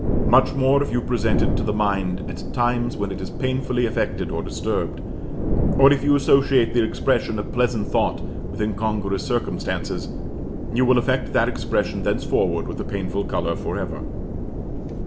Much more if you present it to the mind at times when it is painfully affected or disturbed, or if you associate the expression of pleasant thought with incongruous circumstances, you will affect that expression thenceforward with a painful color for ever.